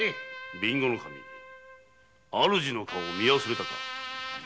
備後守主の顔を見忘れたか。